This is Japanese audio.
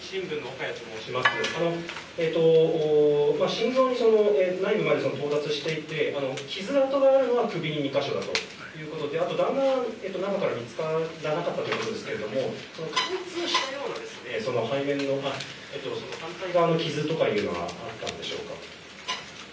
心臓内部まで到達していって傷痕があるのは首に２か所だということであと弾丸が中から見つからなかったということですが貫通したような、反対側の傷というのはあったんでしょうか？